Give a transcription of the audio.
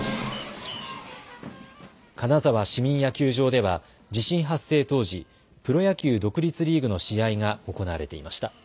金沢市民野球場では地震発生当時、プロ野球独立リーグの試合が行われていました。